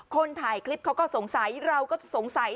คนถ่ายคลิปเขาก็สงสัยเราก็สงสัย